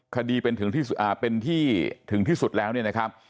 คดีเป็นที่ถึงที่สุดแล้วเนี่ยนะครับ